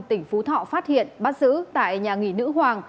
tỉnh phú thọ phát hiện bắt giữ tại nhà nghỉ nữ hoàng